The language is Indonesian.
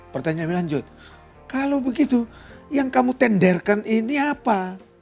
pertanyaan lanjut kalau begitu yang kamu tenderkan ini apa